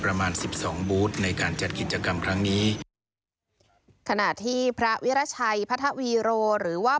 ประมาณสิบสองบูธในการจัดกิจกรรมครั้งนี้ขณะที่พระวิราชัยพระทวีโรหรือว่า